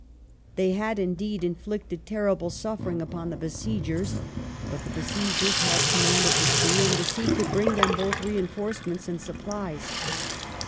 They had indeed inflicted terrible suffering upon the besiegers. But the besiegei s had command of the sea, and the sea could bring them both reinforcements and supplies.